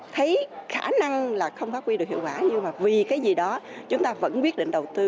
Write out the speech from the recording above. thấy khả năng là không phát huy được hiệu quả nhưng mà vì cái gì đó chúng ta vẫn quyết định đầu tư